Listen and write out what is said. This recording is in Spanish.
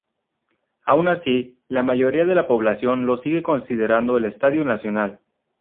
Aun así, la mayoría de la población lo sigue considerando el estadio nacional.